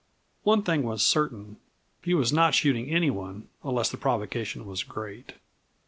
One thing was certain; he was not shooting anyone unless the provocation was great.